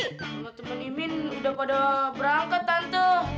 tuhan temen imin udah pada berangkat tante